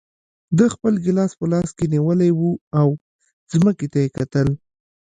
ده خپل ګیلاس په لاس کې نیولی و او ځمکې ته یې کتل.